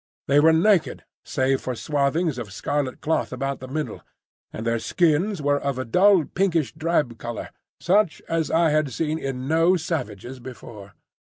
They were naked, save for swathings of scarlet cloth about the middle; and their skins were of a dull pinkish drab colour, such as I had seen in no savages before.